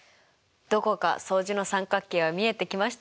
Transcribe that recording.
どこか相似の三角形は見えてきましたか？